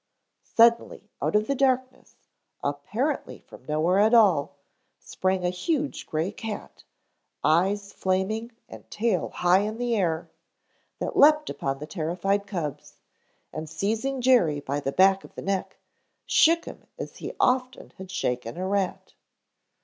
Suddenly out of the darkness, apparently from nowhere at all, sprang a huge gray cat, eyes flaming and tail high in air, that leaped upon the terrified cubs, and seizing Jerry by the back of the neck, shook him as he often had shaken a rat.